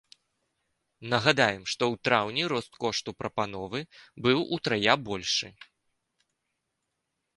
Нагадаем, што ў траўні рост кошту прапановы быў утрая большы.